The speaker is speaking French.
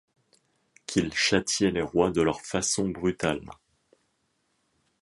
Qu'ils châtiaient les rois de leurs façons brutales